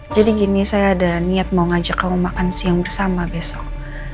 jadi gini saya ada niat mau ngajak kamu makan siang bersama besok